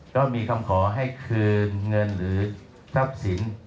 ก็มีคำขอให้คืนเงินหรือทรัพย์สิน